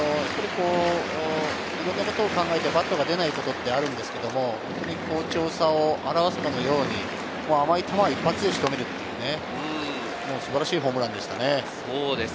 いろんなことを考えてバットが出ないことってあるんですけれど、好調さを表すかのように、甘い球は一発で仕留めるっていうね、素晴らしいホームランでしたね。